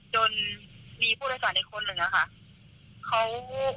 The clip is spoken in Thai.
จนมีผู้โดยสารอีกคนหนึ่งอะค่ะ